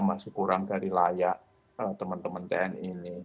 masih kurang dari layak teman teman tni ini